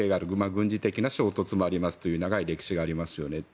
軍事的な衝突もありますという長い歴史がありますよね。